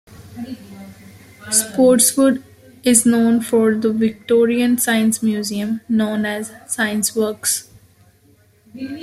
Spotswood is known for the Victorian Science Museum, known as Scienceworks.